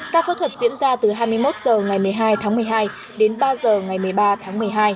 các phẫu thuật diễn ra từ hai mươi một h ngày một mươi hai tháng một mươi hai đến ba h ngày một mươi ba tháng một mươi hai